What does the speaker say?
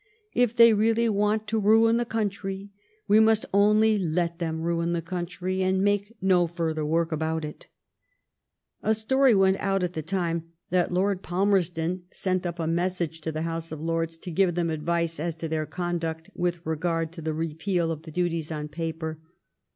If they really want to ruin the country, we must only let them ruin the country, and make no further work about it." A story went at the time that Lord Palmerston sent up a message to the House of Lords to give them advice as to their conduct with regard to the repeal of the duties on paper.